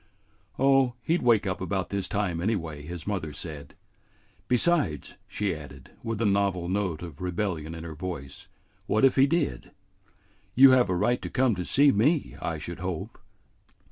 "Oh, he 'd wake up about this time anyway," his mother said. "Besides," she added, with a novel note of rebellion in her voice, "what if he did? You have a right to come to see me, I should hope."